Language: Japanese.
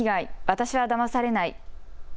私はだまされない。